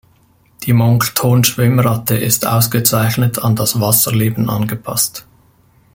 Die Monckton-Schwimmratte ist ausgezeichnet an das Wasserleben angepasst.